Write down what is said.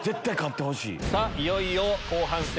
いよいよ後半戦！